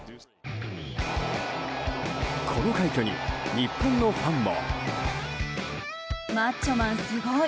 この快挙に日本のファンも。